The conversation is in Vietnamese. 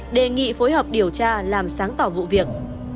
đề nghị phối hợp điều tra làm sáng tỏ vụ việc